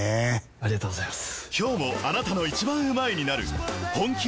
ありがとうございます！